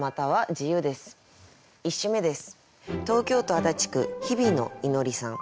１首目です。